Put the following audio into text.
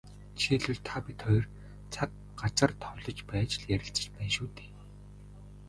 Жишээлбэл, та бид хоёр цаг, газар товлож байж л ярилцаж байна шүү дээ.